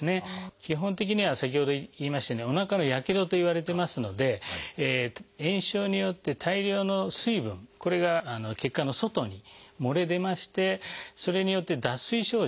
基本的には先ほど言いましたようにおなかのやけどといわれてますので炎症によって大量の水分これが血管の外に漏れ出ましてそれによって脱水症状